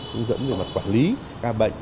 hướng dẫn về mặt quản lý ca bệnh